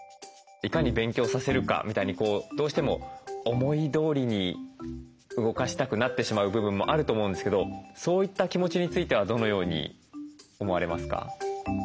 いかに勉強させるかみたいにどうしても思いどおりに動かしたくなってしまう部分もあると思うんですけどそういった気持ちについてはどのように思われますか？